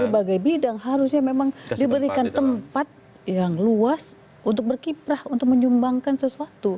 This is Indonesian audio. berbagai bidang harusnya memang diberikan tempat yang luas untuk berkiprah untuk menyumbangkan sesuatu